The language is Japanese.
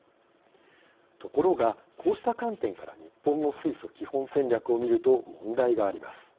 ところが、こうした観点から日本の水素基本戦略を見ると問題があります。